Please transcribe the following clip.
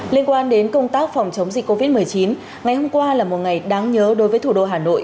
liên quan đến công tác phòng chống dịch covid một mươi chín ngày hôm qua là một ngày đáng nhớ đối với thủ đô hà nội